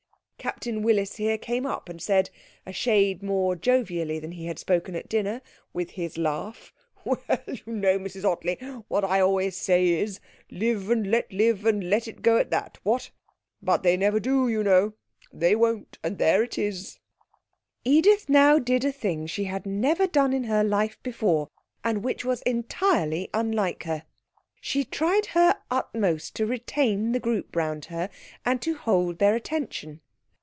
Captain Willis here came up and said, a shade more jovially than he had spoken at dinner, with his laugh: 'Well, you know, Mrs Ottley, what I always say is live and let live and let it go at that; what? But they never do, you know! They won't and there it is!' Edith now did a thing she had never done in her life before and which was entirely unlike her. She tried her utmost to retain the group round her, and to hold their attention.